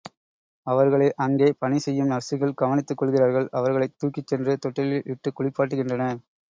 அவர்களை அங்கே பணி செய்யும் நர்சுகள் கவனித்துக் கொள்கிறார்கள், அவர்களைத் தூக்கிச் சென்று தொட்டிலில் இட்டுக் குளிப்பாட்டுகின்றனர்.